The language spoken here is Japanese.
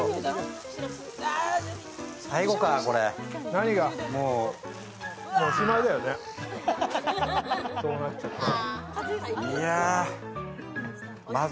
アチチチおしまいだよね、そうなっちゃったら。